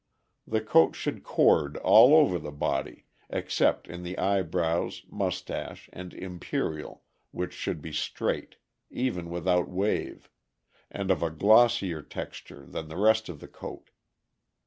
The coat should cord all over the body, except in the eyebrows, mustache, and imperial, which should be straight, even without wave, and of a glossier texture than the rest of the coat.